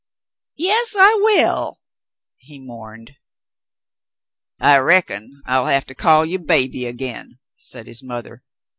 "Yas, I will," he mourned. "I reckon I'll have to call you 'baby' again," said his mother.